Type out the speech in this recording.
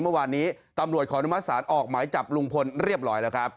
เมื่อวานนี้ตำรวจขออนุมัติศาลออกหมายจับลุงพลเรียบร้อยแล้วครับ